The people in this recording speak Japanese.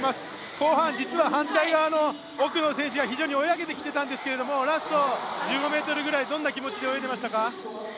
後半、実は反対側の奥の選手が非常に追い上げてきていたんですけども、ラスト１５ｍぐらい、どんな気持ちで泳いでましたか？